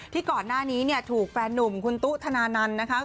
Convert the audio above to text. ที่ก่อนหน้านี้ถูกแฟนหนุ่มคุณตุ๊กธนานันต์นะคะ